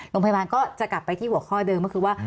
โรงพยาบาลก็จะกลับไปที่หัวข้อเดิมก็คือว่า